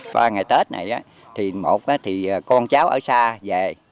qua ngày tết này thì một thì con cháu ở xa về